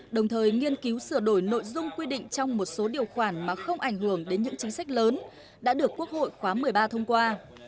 đồng thời nghiên cứu sửa đổi nội dung quy định trong một số điều khoản mà không ảnh hưởng đến những chính sách lớn đã được quốc hội khóa một mươi ba thông qua